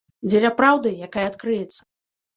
Дзеля праўды, якая адкрыецца.